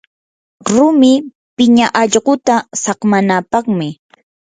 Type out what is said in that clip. rumi piña allquta saqmanapaqmi.